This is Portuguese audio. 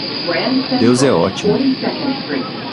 Deus é ótimo.